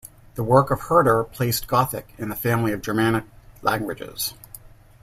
The work of Herder placed Gothic in the family of Germanic languages.